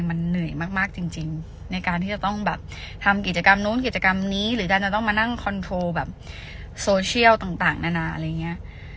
มันเหนื่อยมากจริงในการที่จะต้องแบบทำกิจกรรมนู้นกิจกรรมนี้หรือดันจะต้องมานั่งคอนโทรแบบโซเชียลต่างนานาอะไรอย่างนี้